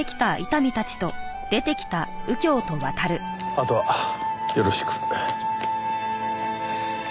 あとはよろしく。